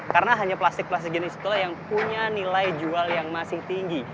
karena hanya plastik plastik jenis itu yang punya nilai jual yang masih tinggi